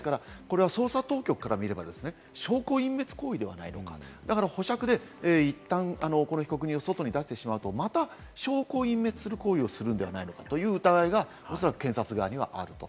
捜査当局から見れば、証拠隠滅行為ではないのか、だから保釈でいったん被告を外に出してしまうと、また証拠を隠滅する行為をするんではないかという疑いがおそらく検察側にはあると。